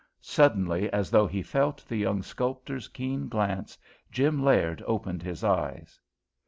Suddenly, as though he felt the young sculptor's keen glance, Jim Laird opened his eyes.